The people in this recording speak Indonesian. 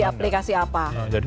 di aplikasi apa